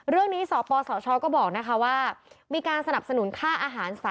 เรื่องนี้สปสชก็บอกนะคะว่า